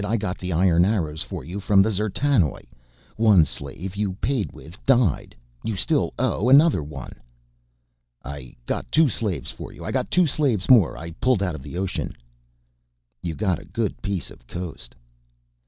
I got the iron arrows for you from the D'zertanoj, one slave you paid with died. You still owe other one." "I got two slaves for you. I got two slaves more I pulled out of the ocean." "You got a good piece coast."